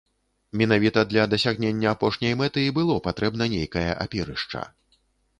Менавіта для дасягнення апошняй мэты і было патрэбна нейкае апірышча.